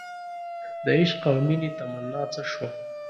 دعشق او مینې تمنا څه شوه